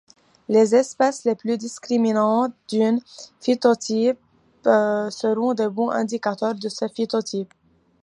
Les espèces les plus discriminantes d’un phytotypes seront de bons indicateurs de ce phytotype.